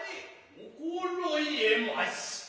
心得ました。